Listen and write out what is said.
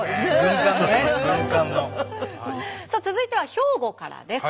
さあ続いては兵庫からです。